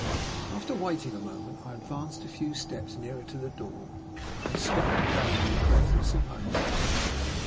After waiting a moment, I advanced a few steps nearer to the door, and stopped again in breathless amazement.